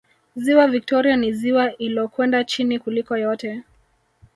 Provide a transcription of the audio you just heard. Ziwa Viktoria ni ziwa illokwenda chini kuliko yote